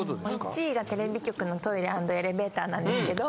１位がテレビ局のトイレ＆エレベーターなんですけど。